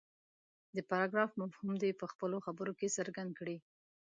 د پراګراف مفهوم دې په خپلو خبرو کې څرګند کړي.